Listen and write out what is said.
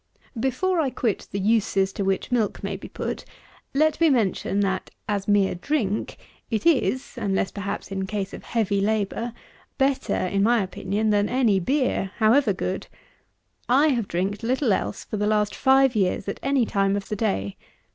113. Before I quit the uses to which milk may be put, let me mention, that, as mere drink, it is, unless perhaps in case of heavy labour, better, in my opinion, than any beer, however good. I have drinked little else for the last five years, at any time of the day.